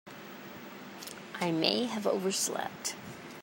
I may have overslept.